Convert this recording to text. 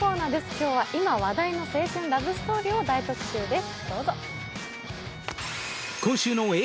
今日は、今話題の青春ラブストーリーを大特集です。